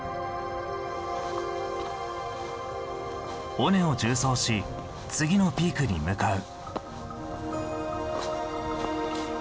尾根を縦走し次のピークに向かう。